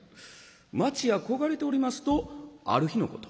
待ちや焦がれておりますとある日のこと。